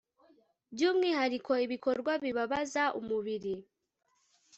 by umwihariko ibikorwa bibabaza umubiri